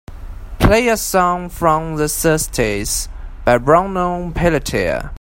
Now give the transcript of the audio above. Play a song from the thirties by Bruno Pelletier